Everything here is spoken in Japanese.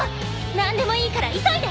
何でもいいから急いで！